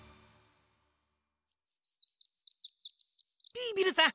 ビービルさん